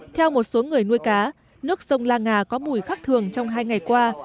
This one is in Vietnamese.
theo một số người nuôi cá nước sông la ngà có mùi khắc thường trong hai ngày qua